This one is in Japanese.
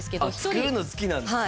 作るの好きなんですね？